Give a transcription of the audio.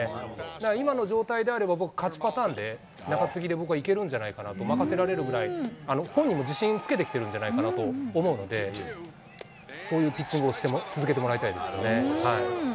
だから今の状態であれば、僕は勝ちパターンで、中継ぎでいけるんじゃないかなと、任せられるぐらい、本人も自信つけてきてるんじゃないかと思うので、そういうピッチングを続けてもらいたいですよね。